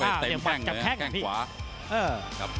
กลับเข้าไปเต็มแข้งเลยแข้งขวา